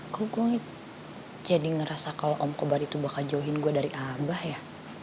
kok gue jadi ngerasa kalau om kobartu bakal jauhin gue dari abah ya